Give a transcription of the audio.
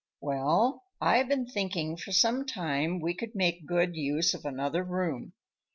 "Well, I've been thinking for some time we could make good use of another room.